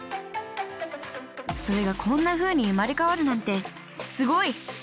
それがこんなふうに生まれ変わるなんてすごい！